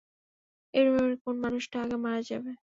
এই রুমের কোন মানুষটা আগে মারা যাবে?